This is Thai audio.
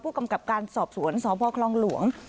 กำกับการสอบสวนสพคลองหลวง